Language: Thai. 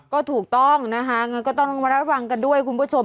ก็ถูกต้องนะคะก็ต้องมารับฟังกันด้วยคุณผู้ชม